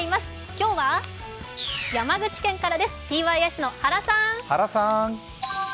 今日は山口県からです、ｔｙｓの原さん。